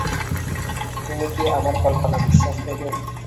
তুমি কি আমার কল্পনা বিশ্বাস করবে?